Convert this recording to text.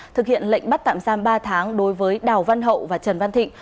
thực hiện lệnh bắt tạm giam ba tháng đối với đào văn hậu và trần văn thịnh